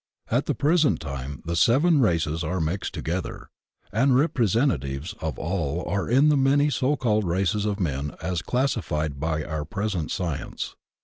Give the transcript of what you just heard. At the present time the seven races are mixed together, and representatives of all are in the many so called races of men as classified by our present science.